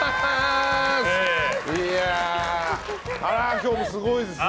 今日もすごいですね。